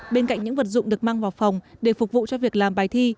bên cạnh những vật dụng được mang vào phòng để phục vụ cho việc làm bài thi